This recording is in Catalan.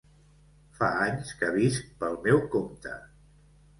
Fa anys que visc pel meu compte.